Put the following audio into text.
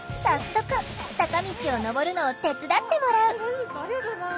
早速坂道を上るのを手伝ってもらう。